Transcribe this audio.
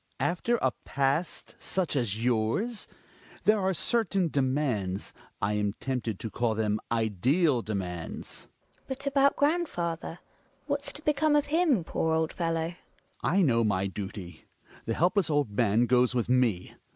Hjalmar. After a past such as yours ? There are certain demands — I am tempted to call them ideal demands GiNA. But about grandfather ? What's to become of him, poor old fellow ? Hjalmar. I know my duty; the helpless old man goes with me.